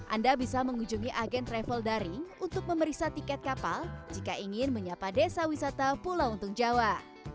anda bisa mengunjungi agen travel daring untuk memeriksa tiket kapal jika ingin menyapa desa wisata pulau untung jawa